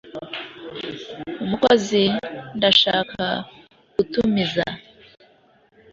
umukozi, ndashaka gutumiza.